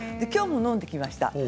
きょうも飲んできました。